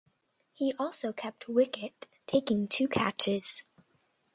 He also kept wicket, taking two catches.